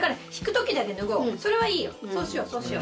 それはいいよそうしようそうしよう。